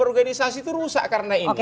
organisasi itu rusak karena ini